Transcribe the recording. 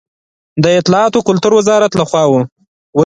د اطلاعاتو او کلتور وزارت له خوا و.